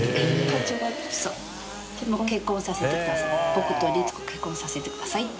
僕と律子結婚させてくださいって言って。